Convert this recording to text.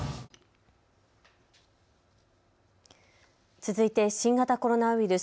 続いて新型コロナウイルス。